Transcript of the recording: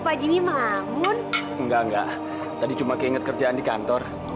papa gini mabun enggak tadi cuma keinget kerjaan di kantor